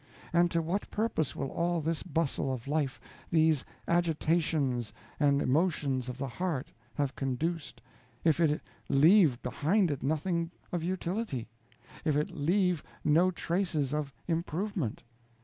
And to what purpose will all this bustle of life, these agitations and emotions of the heart have conduced, if it leave behind it nothing of utility, if it leave no traces of improvement?